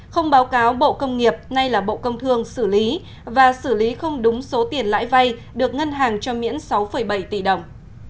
không báo cáo bộ công nghiệp nay là bộ công thương xử lý và xử lý không đúng số tiền lãi vay được ngân hàng cho miễn sáu bảy tỷ đồng